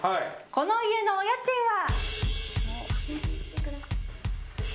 この家のお家賃は。